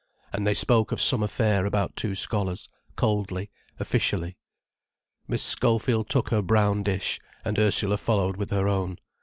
And they spoke of some affair about two scholars, coldly, officially. Miss Schofield took her brown dish, and Ursula followed with her own.